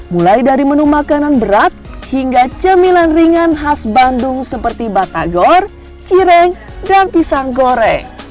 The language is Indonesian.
mulai dari menu makanan berat hingga cemilan ringan khas bandung seperti batagor cireng dan pisang goreng